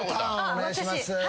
お願いします。